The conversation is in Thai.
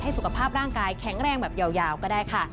สุขภาพร่างกายแข็งแรงแบบยาวก็ได้ค่ะ